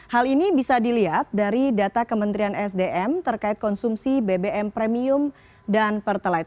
hal ini bisa dilihat dari data kementerian sdm terkait konsumsi bbm premium dan pertelit